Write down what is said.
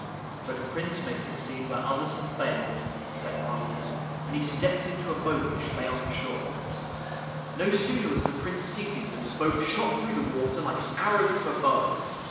" But a Prince may succeed where others have failed," said Carlino, and he stepped into a boat which lay on the shore. No sooner was the Prince seated than the boat shot through the water like an arrow from a bow.